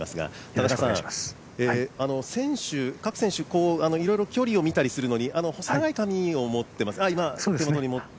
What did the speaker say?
田中さん、各選手、いろいろと距離を見たりするのに細長い紙を持っていますよね。